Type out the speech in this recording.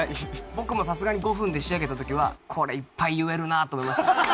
僕もさすがに５分で仕上げた時はこれいっぱい言えるなと思いました。